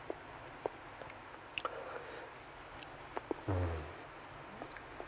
うん。